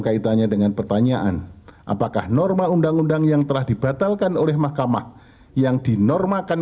kaitannya dengan pertanyaan apakah norma undang undang yang telah dibatalkan oleh mahkamah yang dinormakan